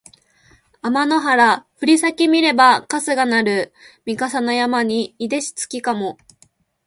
あまの原ふりさけ見ればかすがなるみ笠の山にいでし月かも